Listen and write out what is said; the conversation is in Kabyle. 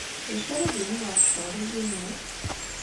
D acu ara d-tiniḍ ɣef ccɣel-agi-inu?